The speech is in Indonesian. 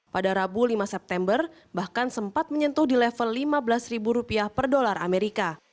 pada rabu lima september bahkan sempat menyentuh di level lima belas rupiah per dolar amerika